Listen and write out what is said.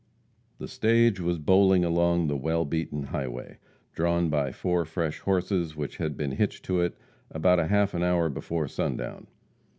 The stage was bowling along the well beaten highway, drawn by four fresh horses, which had been hitched to it about half an hour before sundown.